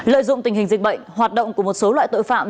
lợi dụng tình hình dịch bệnh hoạt động của một số loại tội phạm